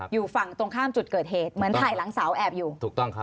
อยู่ฝั่งตรงข้ามจุดเกิดเหตุเหมือนถ่ายหลังเสาแอบอยู่